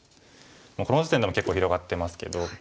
この時点でも結構広がってますけど。